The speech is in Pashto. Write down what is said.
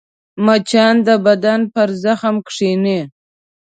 مچان د بدن پر زخم کښېني